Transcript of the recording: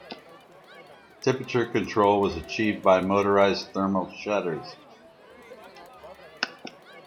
Temperature control was achieved by motorized thermal shutters.